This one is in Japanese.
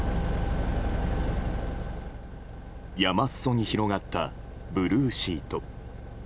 山裾に広がったブルーシート。